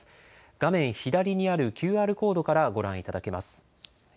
画面左にあるＱＲコードからご覧いただけます。